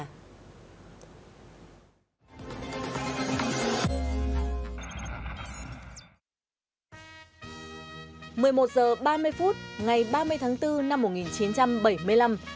một mươi một h ba mươi phút ngày ba mươi tháng bốn năm một nghìn chín trăm bảy mươi năm